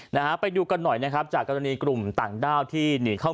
นะฮะไปดูกันหน่อยนะครับจากกรณีกลุ่มต่างด้าวที่หนีเข้า